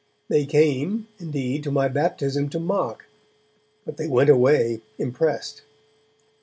They came, indeed, to my baptism to mock, but they went away impressed.